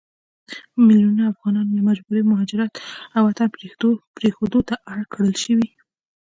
په ميلونونو افغانان له مجبوري مهاجرت او وطن پريښودو ته اړ کړل شوي